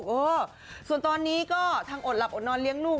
อดนอนเลี้ยงลูกเออส่วนตอนนี้ก็ทางอดหลับอดนอนเลี้ยงลูก